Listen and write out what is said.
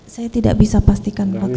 saya tidak bisa pastikan waktu